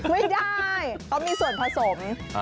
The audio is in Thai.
ไม่ได้เขามีส่วนผสม